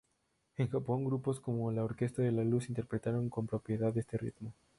En Japón, grupos como la Orquesta de la Luz interpretaron con propiedad este ritmo.